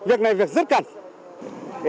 việc này là việc rất tuyệt vời